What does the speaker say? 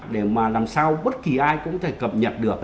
để mà làm sao bất kỳ ai cũng có thể cập nhật được